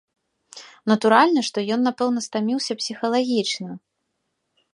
Натуральна, што ён напэўна стаміўся псіхалагічна.